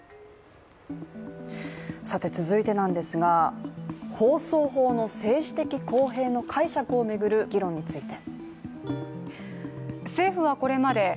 続いて、放送法の政治的公平の解釈を巡る議論について。